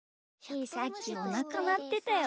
ひーさっきおなかなってたよ。